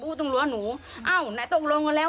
ตรงรั้วหนูเอ้าไหนตกลงกันแล้ว